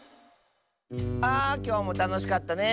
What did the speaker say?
あきょうもたのしかったね。